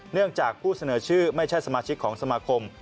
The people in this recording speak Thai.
เนื่องจากผู้เสนอชื่อไม่ใช่สมาชิกของสมาคม